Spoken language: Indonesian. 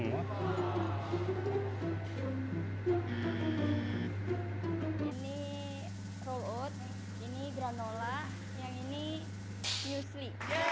ini rolled oat ini granula yang ini musli